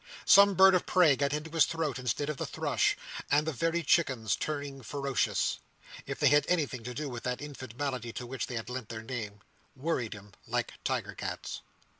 Some bird of prey got into his throat instead of the thrush; and the very chickens turning ferocious—if they have anything to do with that infant malady to which they lend their name—worried him like tiger cats.